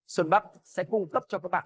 xuân bắc sẽ cung cấp cho các bạn